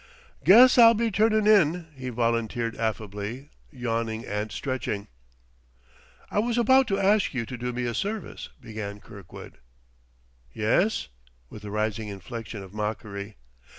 "Guess I'll be turnin' in," he volunteered affably, yawning and stretching. "I was about to ask you to do me a service...." began Kirkwood. "Yes?" with the rising inflection of mockery.